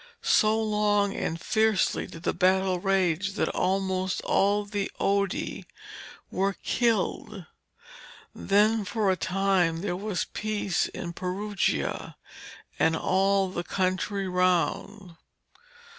So long and fiercely did the battle rage that almost all the Oddi were killed. Then for a time there was peace in Perugia and all the country round.